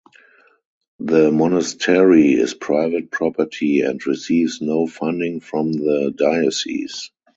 The monastery is private property and receives no funding from the diocese.